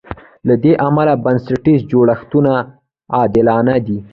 له دې امله بنسټیز جوړښتونه عادلانه دي.